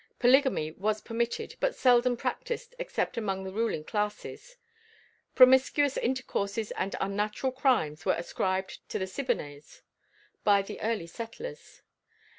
Polygamy was permitted, but seldom practiced except among the ruling classes; promiscuous intercourses and unnatural crimes were ascribed to the Siboneyes by the early settlers.